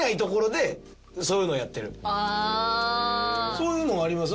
そういうのあります？